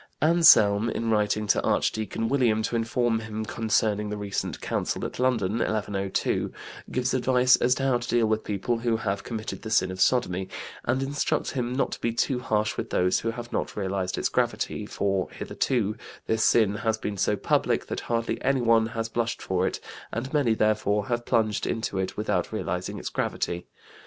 Anselm, in writing to Archdeacon William to inform him concerning the recent Council at London (1102), gives advice as to how to deal with people who have committed the sin of sodomy, and instructs him not to be too harsh with those who have not realized its gravity, for hitherto "this sin has been so public that hardly anyone has blushed for it, and many, therefore, have plunged into it without realizing its gravity."